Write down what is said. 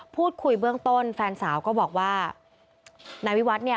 พูดคุยเบื้องต้นแฟนสาวก็บอกว่านายวิวัฒน์เนี่ย